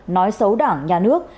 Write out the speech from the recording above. nói xấu đảng nhà nước